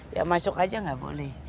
ya masuk aja nggak boleh